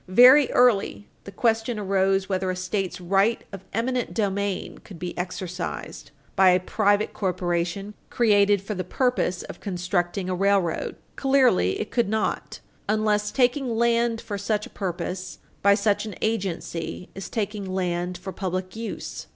Very early the question arose whether a State's right of eminent domain could be exercised by a private corporation created for the purpose of constructing a railroad. Clearly it could not unless taking land for such a purpose by such an agency is taking land for public use.